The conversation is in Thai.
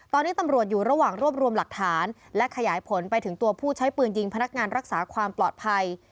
ตอนนี้ตำรวจอยู่ระหว่างรวบรวมหลักฐานและขยายผลไปถึงตัวผู้ใช้ปืนยิงพนักงานรักษาความปลอดภัย